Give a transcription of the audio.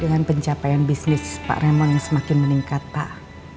dengan pencapaian bisnis pak remon yang semakin meningkat pak